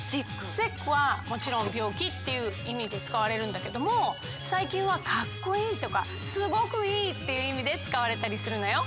「ｓｉｃｋ」はもちろん「病気」っていういみでつかわれるんだけどもさいきんは「かっこいい」とか「すごくいい」っていういみでつかわれたりするのよ。